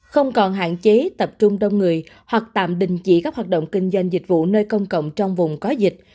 không còn hạn chế tập trung đông người hoặc tạm đình chỉ các hoạt động kinh doanh dịch vụ nơi công cộng trong vùng có dịch